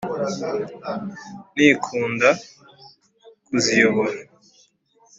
Nikunda kuziyobora !